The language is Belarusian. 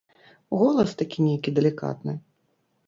Голас такі нейкі далікатны.